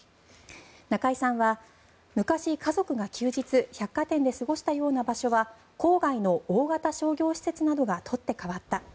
中井さんは昔、家族が休日、百貨店で過ごしたような場所は郊外の大型商業施設などが取って代わった。